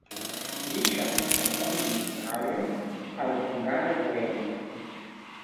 Li ŝatis komponi muzikaĵojn al hungaraj poemoj.